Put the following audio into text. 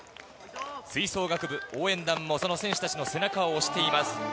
吹奏楽部応援団もその選手たちの背中を押しています。